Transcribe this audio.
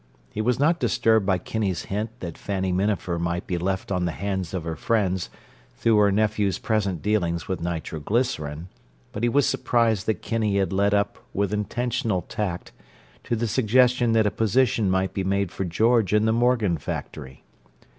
He was not disturbed by Kinney's hint that Fanny Minafer might be left on the hands of her friends through her nephew's present dealings with nitroglycerin, but he was surprised that Kinney had "led up" with intentional tact to the suggestion that a position might be made for George in the Morgan factory.